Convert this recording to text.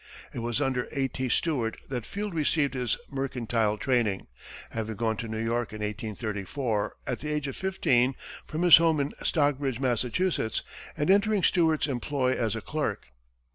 It was under A. T. Stewart that Field received his mercantile training, having gone to New York in 1834, at the age of fifteen, from his home in Stockbridge, Massachusetts, and entering Stewart's employ as a clerk.